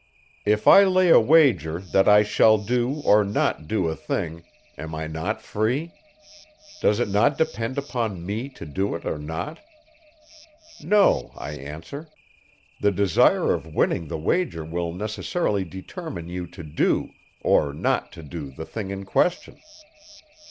"If I lay a wager, that I shall do, or not do a thing, am I not free? Does it not depend upon me to do it or not?" No, I answer; the desire of winning the wager will necessarily determine you to do, or not to do the thing in question.